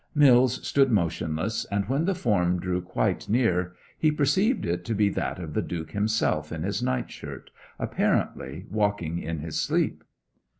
Mills stood motionless, and when the form drew quite near he perceived it to be that of the Duke himself in his nightshirt apparently walking in his sleep.